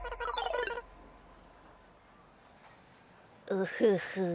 ウフフ。